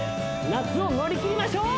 夏を乗り切りましょう！